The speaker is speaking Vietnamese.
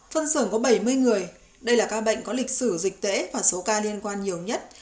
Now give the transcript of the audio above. phân xưởng có bảy mươi người đây là ca bệnh có lịch sử dịch tễ và số ca liên quan nhiều nhất